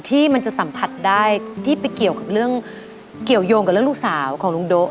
ที่มันจะสัมผัสได้ที่ไปเกี่ยวโยงกับเรื่องลูกสาวของลุงโด๊ะ